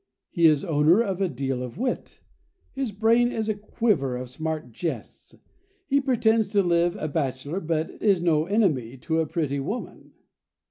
He is owner of a deal of wit; his brain is a quiver of smart jests. He pretends to live a bachelor, but is no enemy to a pretty woman."